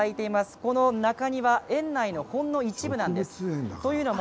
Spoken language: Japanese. この中庭、園内のほんの一部です。